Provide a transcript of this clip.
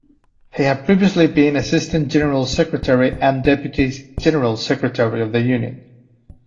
He had previously been Assistant General Secretary and Deputy General Secretary of the union.